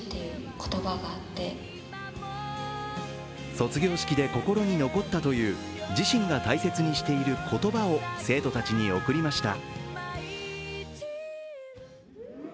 卒業式で心に残ったという自身が大切にしている言葉を生徒たちに贈りました。